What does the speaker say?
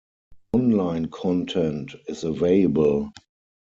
Online content is available.